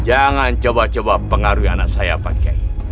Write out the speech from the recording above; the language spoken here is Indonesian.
jangan coba coba pengaruhi anak saya pak kiai